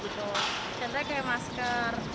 contohnya kayak masker